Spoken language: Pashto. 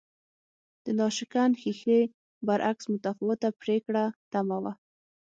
د ناشکن ښیښې برعکس متفاوته پرېکړه تمه وه